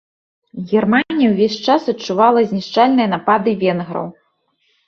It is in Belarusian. Германія ўвесь час адчувала знішчальныя напады венграў.